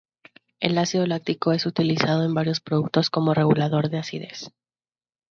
El ácido láctico es utilizado en varios productos como regulador de acidez.